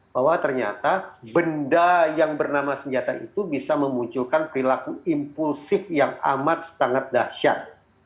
bahwa ternyata benda yang bernama senjata itu bisa memunculkan perilaku impulsif yang amat sangat dahsyat